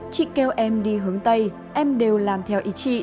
chị kêu em đi hướng tây em đều làm theo ý chí